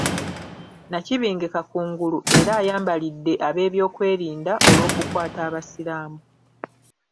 Nakibinge Kakungulu era ayambalidde abeebyokwerinda olw'okukwata abasiraamu.